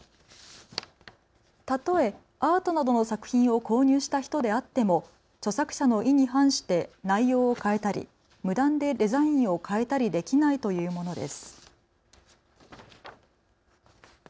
たとえアートなどの作品を購入した人であっても著作者の意に反して内容を変えたり無断でデザインを変えたりできないというものです。